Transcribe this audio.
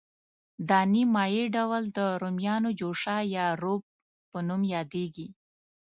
دا نیم مایع ډول د رومیانو جوشه یا روب په نوم یادیږي.